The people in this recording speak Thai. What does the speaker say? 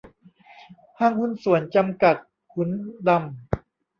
ห้างหุ้นส่วนจำกัด ขุนดำ